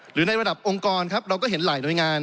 ในระดับองค์กรครับเราก็เห็นหลายหน่วยงาน